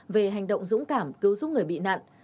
về hành động dũng cảm cứu giúp người bị nạn